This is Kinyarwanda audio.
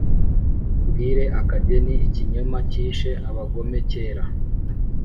nkubwire akageni ikinyoma cyishe abagome cyera